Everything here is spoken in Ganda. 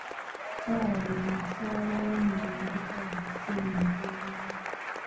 Sarah, ye mukyala w'omugenzi Kaddu Sserunkuuma